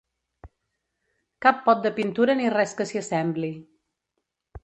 Cap pot de pintura ni res que s'hi assembli.